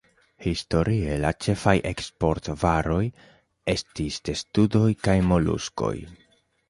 Historie la ĉefaj eksport-varoj estis testudoj kaj moluskoj.